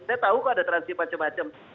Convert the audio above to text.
saya tahu kok ada transisi macam macam